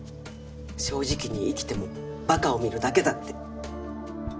正直に生きても馬鹿を見るだけだって。